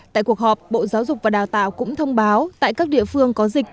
tại cuộc họp bộ giáo dục và đào tạo cũng thông báo tại các địa phương có dịch